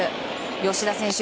吉田選手